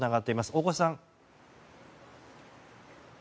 大越さん。